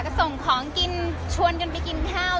ก็ส่งของกินชวนกันไปกินข้าว